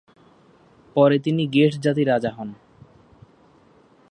পরে তিনি গেটস জাতির রাজা হন।